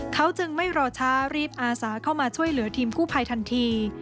เขาจึงไม่รอช้ารีบอาสาเข้ามาช่วยเหลือทีมกู้ภัยทันที